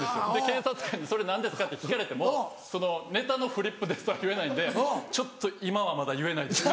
検察官に「それ何ですか？」って聞かれても「ネタのフリップです」とは言えないんで「ちょっと今はまだ言えないです」。